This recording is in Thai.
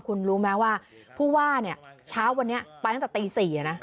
คุณรู้ไหมว่าพูดว่าเนี่ยเช้าวันนี้ไปตั้งแต่ตีสี่น่ะ